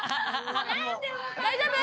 大丈夫？